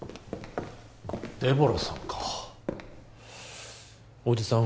デボラさんかおじさん